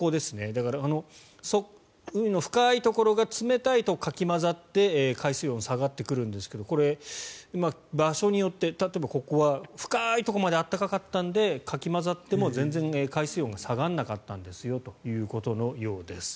だから、海の深いところが冷たいとかき混ざって海水温が下がってくるんですがこれ、場所によって例えばここは深いところまで暖かかったのでかき混ざっても全然、海水温が下がらなかったんですよということのようです。